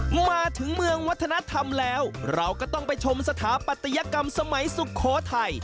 มาถึงเมืองวัฒนธรรมแล้วเราก็ต้องไปชมสถาปัตยกรรมสมัยสุโขทัย